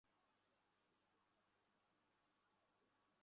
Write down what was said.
লেনদেন কমার পাশাপাশি দুই বাজারে সূচকের নিম্নমুখী প্রবণতা বিরাজ করছে।